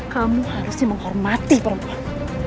kamu harusnya menghormati perempuan